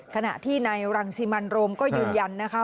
ขณะที่นายรังสิมันโรมก็ยืนยันนะคะ